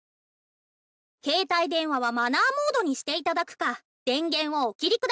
「携帯電話はマナーモードにして頂くか電源をお切り下さい」。